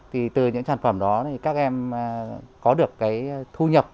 thì từ những sản phẩm đó thì các em có được cái thu nhập